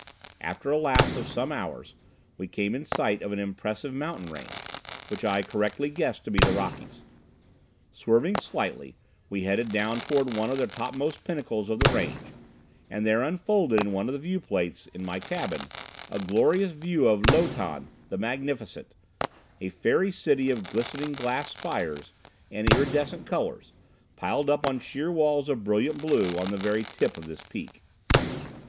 After a lapse of some hours we came in sight of an impressive mountain range, which I correctly guessed to be the Rockies. Swerving slightly, we headed down toward one of the topmost pinnacles of the range, and there unfolded in one of the viewplates in my cabin a glorious view of Lo Tan, the Magnificent, a fairy city of glistening glass spires and iridescent colors, piled up on sheer walls of brilliant blue, on the very tip of this peak.